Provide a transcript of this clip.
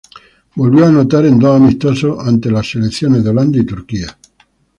Volvió a anotar en dos amistosos ante las selecciones de Holanda y Turquía.